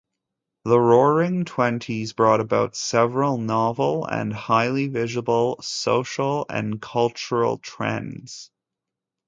The Roaring Twenties brought about several novel and highly visible social and cultural trends.